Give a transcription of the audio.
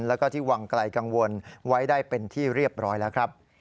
แล้วก็ที่วังไกลกังวลไว้ได้เป็นที่เรียบร้อยแล้วครับ